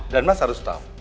dan mas harus tahu